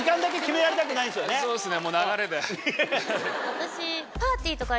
私。